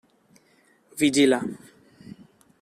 Vigila.